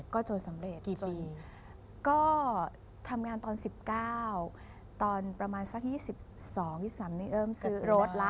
ก็เร็วเนอะ